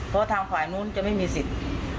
เพราะทางฝ่ายนู้นจะไม่มีสิทธิ์